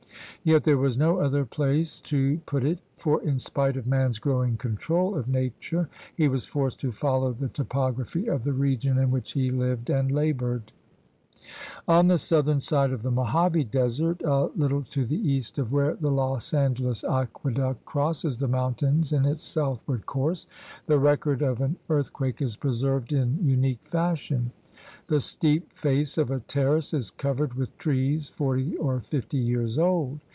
Yet there was no other place to put it, for in spite of man's growing control of nature he was forced to follow the topography of the region in which he lived and labored. On the southern side of the Mohave Desert a GEOGRAPHIC PROVINCES 81 little to the east of where the Los Angeles aqueduct crosses the mountains in its southward course, the record of an earthquake is preserved in unique fashion. The steep face of a terrace is covered with trees forty or fifty years old.